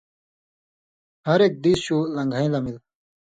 ہر ایک دیس شُو لن٘گھَیں لمِل۔